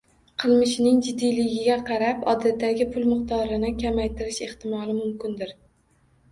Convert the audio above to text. Qilmishining jiddiyligiga qarab odatdagi pul miqdorini kamaytirish ehtimol mumkindir.